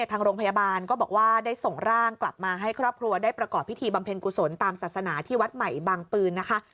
ทางโรงพยาบาลก็บอกว่าได้ส่งร่างกลับมาให้ครอบครัวได้ประกอบพิธีบำเพ็ญกุศลตามศาสนาที่วัดใหม่บางปืนนะคะ